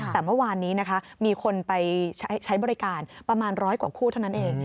แต่เมื่อวานนี้นะคะมีคนไปใช้บริการประมาณร้อยกว่าคู่เท่านั้นเอง